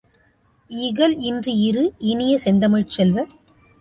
இகல்இன்றி இரு இனிய செந்தமிழ் செல்வ!